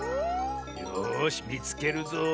よしみつけるぞ。